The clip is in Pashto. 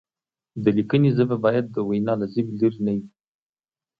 د لیکنې ژبه باید د وینا له ژبې لرې نه وي.